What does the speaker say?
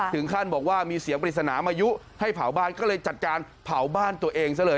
ถึงขั้นบอกว่ามีเสียงปริศนามายุให้เผาบ้านก็เลยจัดการเผาบ้านตัวเองซะเลย